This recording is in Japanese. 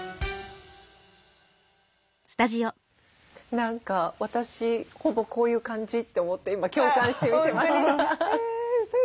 何か私ほぼこういう感じって思って今共感して見てました。